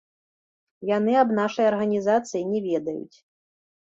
Яны аб нашай арганізацыі не ведаюць.